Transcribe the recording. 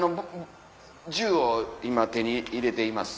銃を今手に入れています。